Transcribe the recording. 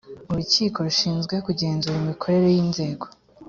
urukiko rushinzwe kugenzura imikorere y’inzego